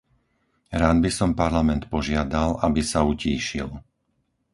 Rád by som Parlament požiadal, aby sa utíšil.